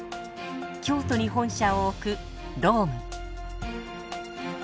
京都に本社を置くローム。